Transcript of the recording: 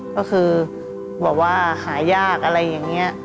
ก็คือหายากอะไรอย่างนี้